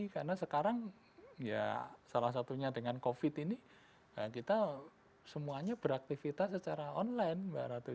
karena sekarang ya salah satunya dengan covid ini kita semuanya beraktivitas secara online mbak ratu